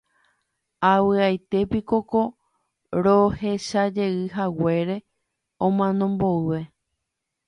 avy'aite piko ko rohechajeyhaguére amano mboyve.